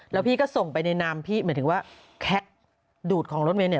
แล้วพี่ก็ส่งไปในนามพี่หมายถึงว่าแคคดูดของรถเมย์เนี่ย